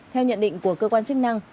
theo nhận định của cơ quan chức năng